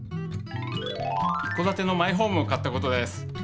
一戸だてのマイホームを買ったことです。